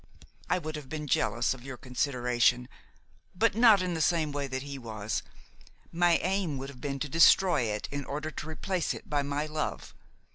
I would have been jealous of your consideration, but not in the same way that he was; my aim would have been to destroy it in order to replace it by my love.